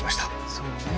そうね。